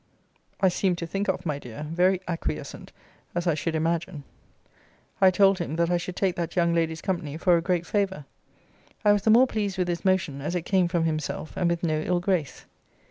I seemed to think of, my dear, very acquiescent, as I should imagine! I told him, that I should take that young lady's company for a great favour. I was the more pleased with this motion, as it came from himself, and with no ill grace.